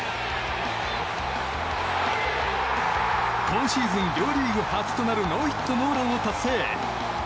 今シーズン、両リーグ初となるノーヒットノーランを達成！